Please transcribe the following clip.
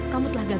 kamu telah gagal